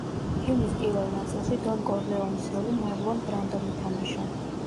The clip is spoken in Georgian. ფილმის პირველ ნაწილში დონ კორლეონეს როლი მარლონ ბრანდომ ითამაშა.